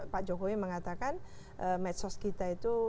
pak jokowi mengatakan medsos kita itu